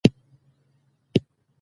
د پوهې په زور نړۍ تسخیر کړئ.